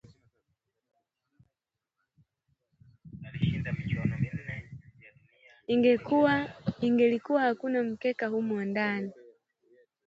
Ingalikuwa hakuwa na mkeka humo ndani